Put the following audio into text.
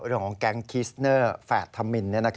เรื่องของแกงคีสเนอร์แฟทธามินนะครับ